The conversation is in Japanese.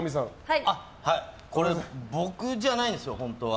僕じゃないんですよ、本当は。